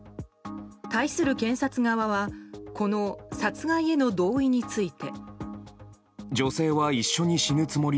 対する検察側はこの殺害への同意について。